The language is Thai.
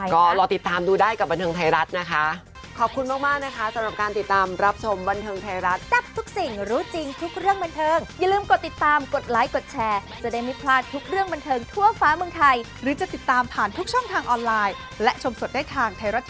ก็รอติดตามดูได้กับบันเทิงไทยรัฐนะคะ